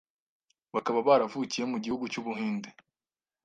bakaba baravukiye mu gihugu cy’u Buhinde,